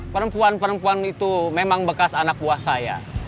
perempuan perempuan itu memang bekas anak buah saya